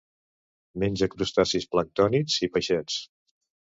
Menja crustacis planctònics i peixets.